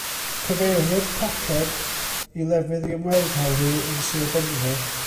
Cyfeirlyfr poced i lefydd i ymweld â hwy yn Sir Benfro.